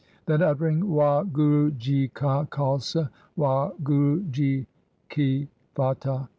Then uttering ' Wahguru ji ka Khalsa ! Wahguru ji ki fatah